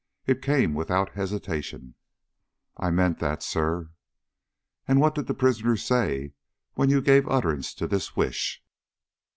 It came without hesitation. "It meant that, sir." "And what did the prisoner say when you gave utterance to this wish?"